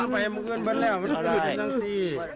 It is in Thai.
ไม่อำนวยมื้นนะ่วมันจะหยุดในนั้นสิ